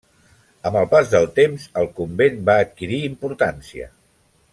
Amb el pas del temps el convent va adquirir importància.